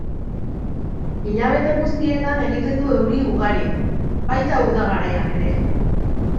Hilabete guztietan egiten du euri ugari, baita uda garaian ere.